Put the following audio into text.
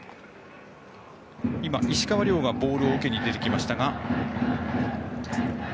石川亮がボールを受けに出てきましたが。